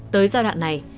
tới giai đoạn này